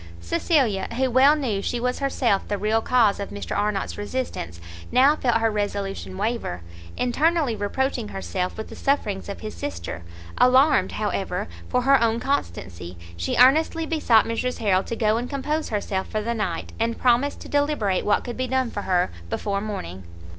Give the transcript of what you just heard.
Cecilia, who well knew she was herself the real cause of Mr Arnott's resistance, now felt her resolution waver, internally reproaching herself with the sufferings of his sister; alarmed, however, for her own constancy, she earnestly besought Mrs Harrel to go and compose herself for the night, and promised to deliberate what could be done for her before morning.